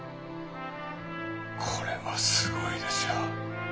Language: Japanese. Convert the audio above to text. これはすごいですよ。